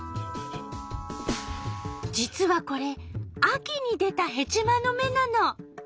実はこれ秋に出たヘチマの芽なの。